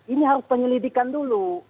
ini harus penyelidikan dulu